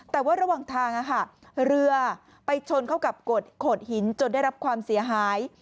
แต่ว่าระหว่างทางเรือไปชนเข้ากับโขดหินจนได้รับความเสียหาย